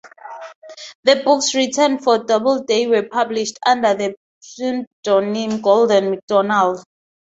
The books written for Doubleday were published under the pseudonym "Golden MacDonald".